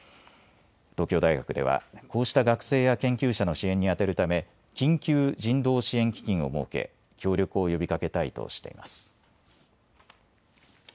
東京大学ではこうした学生や研究者の支援に充てるため緊急人道支援基金を設け協力を呼びかけたいとしています。